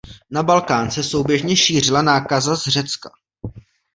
Na Balkán se souběžně šířila nákaza z Řecka.